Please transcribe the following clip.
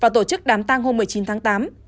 tăng hôm một mươi chín tháng tám